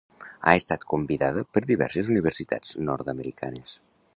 Ha estat convidada per diverses universitats nord-americanes.